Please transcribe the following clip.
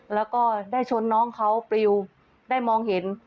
แล้วก็ได้ชนน้องเขาปลิวได้มองเห็น